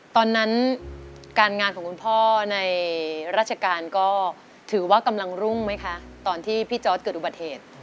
ตอนนั้นการงานของคุณพ่อในราชการก็ถือว่ากำลังรุ่งไหมคะตอนที่พี่จอร์ดเกิดอุบัติเหตุ